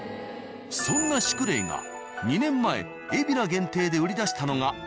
そんな「シュクレイ」が２年前海老名限定で売り出したのが。